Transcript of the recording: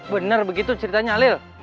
bener begitu ceritanya halil